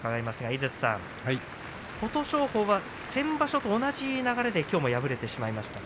井筒さん、琴勝峰は先場所と同じ流れできょうも敗れてしまいました。